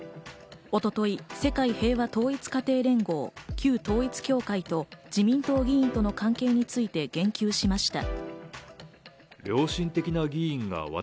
一昨日、世界平和統一家庭連合、旧統一教会と自民党議員との関係について言及しました。